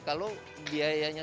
kalau biayanya setengah